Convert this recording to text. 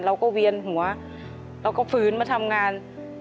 เราก็เวียนหัวเราก็ฝืนมาทำงาน